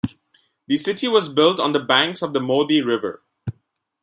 The city was built on the banks of the Modi River.